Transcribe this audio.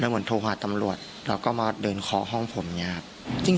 แล้วเหมือนโทรหาสำรวจเราก็มาเดินขอห้องผมเนี้ยครับ